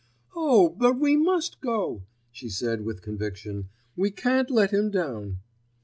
"Oh! but we must go," she said with conviction. "We can't let him down."